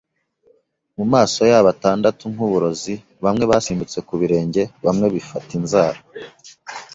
mumaso yabo atandatu nkuburozi; bamwe basimbutse ku birenge, bamwe bifata inzara